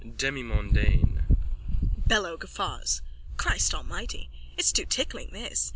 Demimondaine. BELLO: (Guffaws.) Christ Almighty it's too tickling, this!